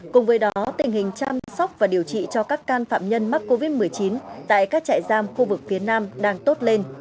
cùng với đó tình hình chăm sóc và điều trị cho các can phạm nhân mắc covid một mươi chín tại các trại giam khu vực phía nam đang tốt lên